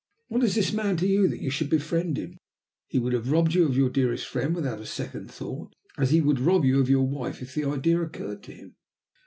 What is this man to you that you should befriend him? He would have robbed you of your dearest friend without a second thought, as he would rob you of your wife if the idea occurred to him.